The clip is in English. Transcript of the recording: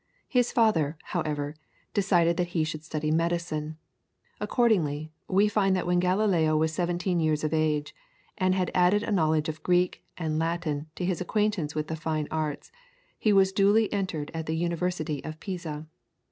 His father, however, decided that he should study medicine. Accordingly, we find that when Galileo was seventeen years of age, and had added a knowledge of Greek and Latin to his acquaintance with the fine arts, he was duly entered at the University of Pisa.